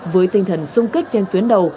với tinh thần sung kích trên tuyến đầu